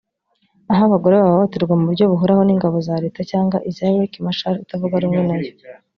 aho abagore bahohoterwa mu buryo buhoraho n’ingabo za Leta cyangwa iza Riek Machar utavuga rumwe na yo